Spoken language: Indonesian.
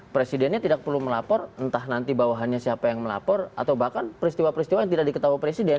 presidennya tidak perlu melapor entah nanti bawahannya siapa yang melapor atau bahkan peristiwa peristiwa yang tidak diketahui presiden